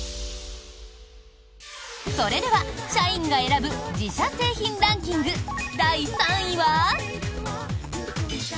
それでは社員が選ぶ自社製品ランキング、第３位は？